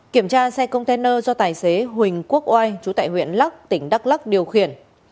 kiểm tra xe container do tài xế huỳnh quốc oai chú tại huyện lắc tỉnh đắk lắc điều khiển